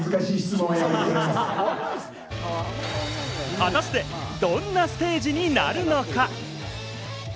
果たして、どんなステージになるのか？